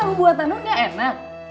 kamu tahu buatanmu nggak enak